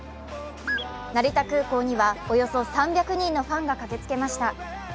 成田空港にはおよそ３００人のファンが駆けつけました。